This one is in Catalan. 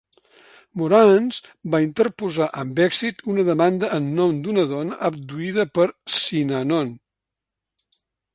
Morantz va interposar amb èxit una demanda en nom d'una dona abduïda per Synanon.